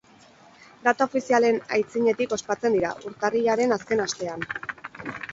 Data ofizialen aitzinetik ospatzen dira, urtarrilaren azken astean.